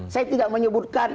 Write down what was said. saya tidak menyebutkan